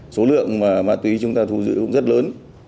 số lượng mà ma túy chúng ta thu giữ cũng rất lớn